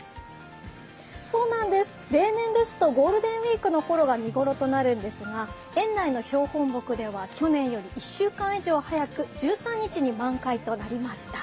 そうなんです、例年ですとゴールデンウイークのころが見頃となるんですが、園内の標本木では去年より１週間以上早く、１３日に満開となりました。